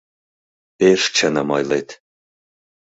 Пеш чыным ойлет!